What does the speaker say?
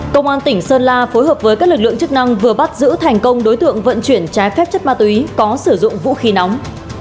công an tỉnh sơn la phối hợp với các lực lượng chức năng vừa bắt giữ thành công đối tượng vận chuyển trái phép chất ma túy có sử dụng vũ khí nóng